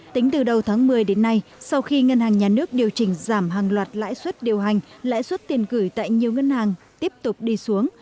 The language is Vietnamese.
tính từ đầu tháng một mươi đến nay sau khi ngân hàng nhà nước điều chỉnh giảm hàng loạt lãi suất điều hành lãi suất tiền gửi tại nhiều ngân hàng tiếp tục đi xuống